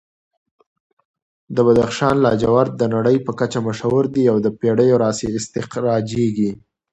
د بدخشان لاجورد د نړۍ په کچه مشهور دي او د پېړیو راهیسې استخراجېږي.